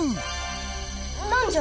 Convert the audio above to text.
何じゃ？